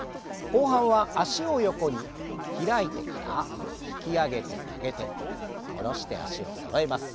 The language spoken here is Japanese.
後半は脚を横に開いてから引き上げて曲げて下ろして脚をそろえます。